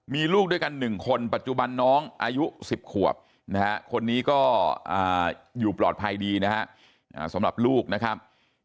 มีลูกด้วยกัน๑คนปัจจุบันน้องอายุ๑๐ขวบนะฮะคนนี้ก็อยู่ปลอดภัยดีนะฮะสำหรับลูกนะครับ